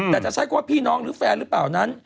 แต่จะใช้คำว่าพี่น้องหรือแฟนหรือเปล่านั้น